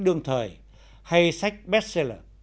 đương thời hay sách bestseller